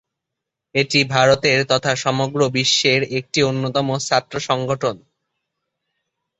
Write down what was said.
এটি ভারতের তথা সমগ্র বিশ্বের একটি অন্যতম ছাত্র সংগঠন।